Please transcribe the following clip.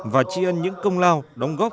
và tri ân những công lao đóng góp